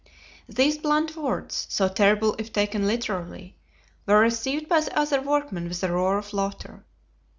These blunt words, so terrible if taken literally, were received by the other workmen with a roar of laughter.